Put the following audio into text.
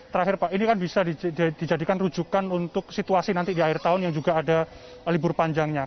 terakhir pak ini kan bisa dijadikan rujukan untuk situasi nanti di akhir tahun yang juga ada libur panjangnya